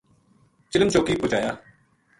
چلم چوکی پوہچایا